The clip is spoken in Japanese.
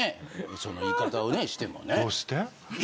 その言い方をねしてもね。